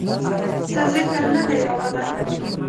څۀ ذکر نۀ دے راغلے